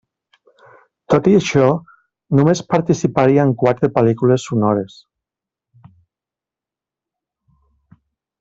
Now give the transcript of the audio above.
Tot i això, només participaria en quatre pel·lícules sonores.